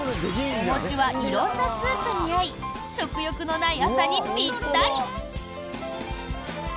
お餅は色んなスープに合い食欲のない朝にぴったり。